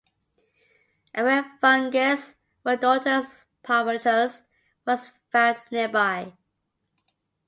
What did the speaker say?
A rare fungus "Rhodotus palmatus" was found nearby.